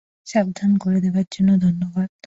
সাবধান করে দেবার জন্যে ধন্যবাদ।